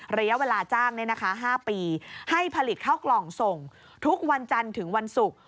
ระยะเวลาจ้าง๕ปีให้ผลิตข้าวกล่องส่งทุกวันจันทร์ถึงวันศุกร์